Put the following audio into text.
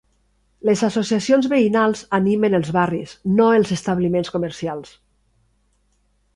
Les associacions veïnals animen els barris, no els establiments comercials.